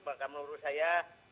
maka menurut saya